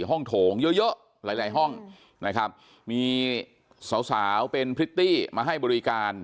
โถงเยอะเยอะหลายหลายห้องนะครับมีสาวสาวเป็นพริตตี้มาให้บริการ